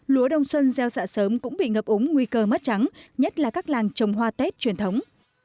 lúa đông xuân gieo xạ sớm cũng bị ngập úng nguy cơ mất trắng nhất là các làng trồng hoa tết truyền thống